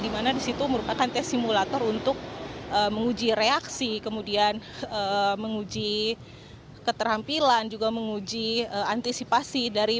dimana disitu merupakan tes simulator untuk menguji reaksi kemudian menguji keterampilan juga menguji antisipasi dari